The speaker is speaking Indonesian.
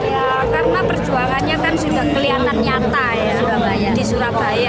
ya karena perjuangannya kan sudah kelihatan nyata ya di surabaya